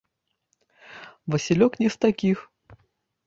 Васілёк не з такіх.